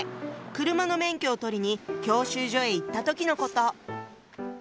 車の免許を取りに教習所へ行った時のこと。